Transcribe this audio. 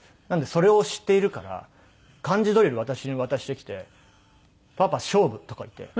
なのでそれを知っているから漢字ドリル私に渡してきて「パパ勝負」とか言って。